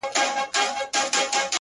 تنکی رويباره له وړې ژبي دي ځارسم که نه ـ